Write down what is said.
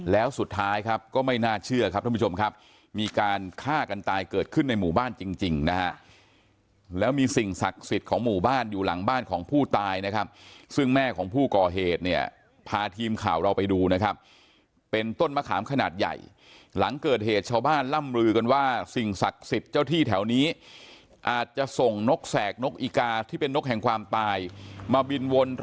แล้วสุดท้ายครับก็ไม่น่าเชื่อครับท่านผู้ชมครับมีการฆ่ากันตายเกิดขึ้นในหมู่บ้านจริงนะฮะแล้วมีสิ่งศักดิ์สิทธิ์ของหมู่บ้านอยู่หลังบ้านของผู้ตายนะครับซึ่งแม่ของผู้ก่อเหตุเนี่ยพาทีมข่าวเราไปดูนะครับเป็นต้นมะขามขนาดใหญ่หลังเกิดเหตุชาวบ้านล่ำลือกันว่าสิ่งศักดิ์สิทธิ